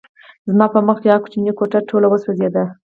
زما په مخکې هغه کوچنۍ کوټه ټوله وسوځېده